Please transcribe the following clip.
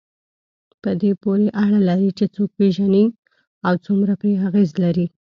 په دې پورې اړه لري چې څوک پېژنئ او څومره پرې اغېز لرئ.